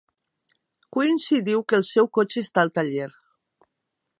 Quincy diu que el seu cotxe està al taller.